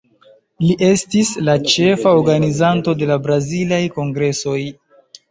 Li estis la ĉefa organizanto de la Brazilaj Kongresoj.